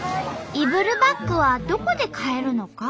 イブルバッグはどこで買えるのか？